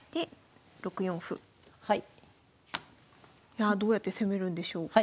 いやあどうやって攻めるんでしょうか。